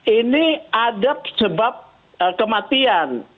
ini ada sebab kematian